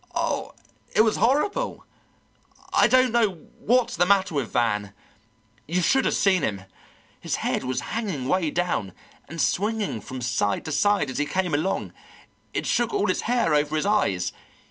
Oh, it was horrible. I don't know what's the matter with Van. You should have seen him; his head was hanging way down, and swinging from side to side as he came along; it shook all his hair over his eyes.